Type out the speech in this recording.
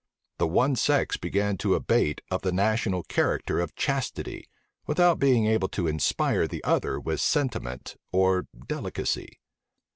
The one sex began to abate of the national character of chastity, without being able to inspire the other with sentiment or delicacy.